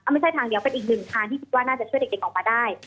ไม่ใช่ทางเดียวเป็นอีกหนึ่งทางที่คิดว่าน่าจะช่วยเด็กออกมาได้